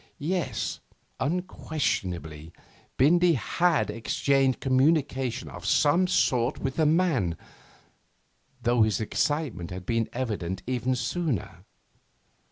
Yes, unquestionably, Bindy had exchanged communication of some sort with the man, though his excitement had been evident even sooner.